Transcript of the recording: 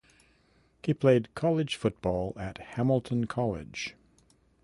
He played college football at Hamilton College.